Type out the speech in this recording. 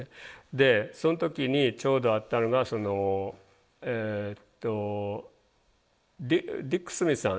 でその時にちょうどあったのがディック・スミスさん